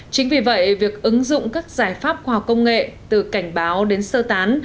chính vì vậy việc ứng dụng các giải pháp khoa học công nghệ từ cảnh báo đến sơ tán